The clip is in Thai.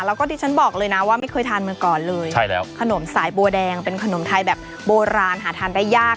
แล้วก็ที่ฉันบอกเลยนะว่าไม่เคยทานมาก่อนเลยใช่แล้วขนมสายบัวแดงเป็นขนมไทยแบบโบราณหาทานได้ยาก